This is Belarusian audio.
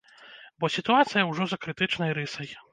Бо сітуацыя ўжо за крытычнай рысай.